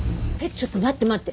ちょっと待って待って。